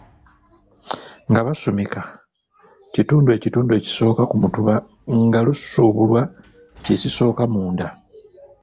Nga basumika, kitundu ekitundu ekisooka ku mutuba nga lusubulwakye kisooka munda.